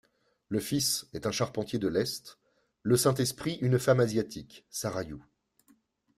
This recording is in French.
Le Fils est un charpentier de l'Est, le Saint-Esprit une femme asiatique, Sarayu.